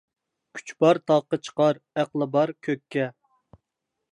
كۈچ بار تاغقا چىقار، ئەقلى بار كۆككە.